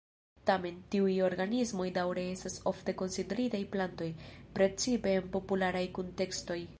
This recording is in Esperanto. Tamen, tiuj organismoj daŭre estas ofte konsideritaj plantoj, precipe en popularaj kuntekstoj.